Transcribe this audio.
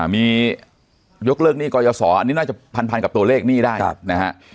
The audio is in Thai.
มียกเลิกหนี้กรยาศรอันนี้น่าจะพันกับตัวเลขหนี้ได้นะฮะ